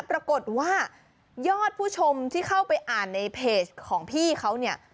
ปรากฏว่ายอดผู้ชมที่เข้าไปอ่านในเพจของพี่เขาเนี่ย